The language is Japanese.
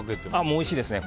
おいしいですね。